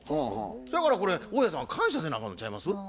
そやからこれ大家さんは感謝せなあかんのちゃいます？